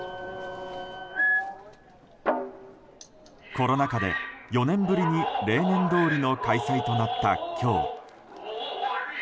コロナ禍で４年ぶりに例年どおりの開催となった今日。